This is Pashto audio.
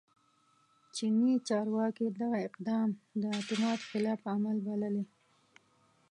چیني چارواکي دغه اقدام د اعتماد خلاف عمل بللی